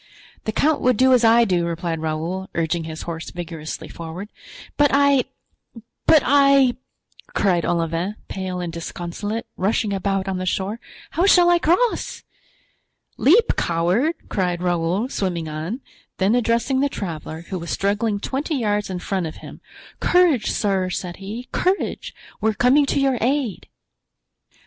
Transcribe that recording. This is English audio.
"The count would do as I do," replied Raoul, urging his horse vigorously forward. "But I—but I," cried Olivain, pale and disconsolate rushing about on the shore, "how shall I cross?" "Leap, coward!" cried Raoul, swimming on; then addressing the traveler, who was struggling twenty yards in front of him: "Courage, sir!" said he, "courage! we are coming to your aid."